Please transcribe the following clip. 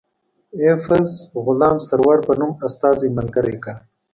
ایفز غلام سرور په نوم استازی ملګری کړ.